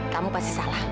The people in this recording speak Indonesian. kamu pasti salah